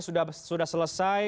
reshuffle nya sudah selesai